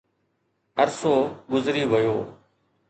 عرصو گذري ويو